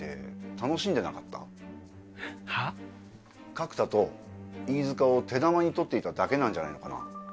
角田と飯塚を手玉に取っていただけなんじゃないのかな？